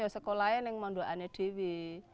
sekolahnya yang manduannya dewi